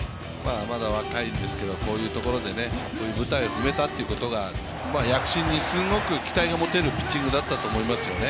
まだ若いんですけど、こういうところでこういう舞台を踏めたということが、躍進にすごく期待が持てるピッチングだったと思いますね。